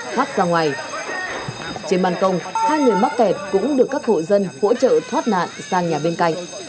thoát ra ngoài trên bàn công hai người mắc kẹt cũng được các hộ dân hỗ trợ thoát nạn sang nhà bên cạnh